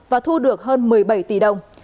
và thu được hơn một mươi bảy tỷ đồng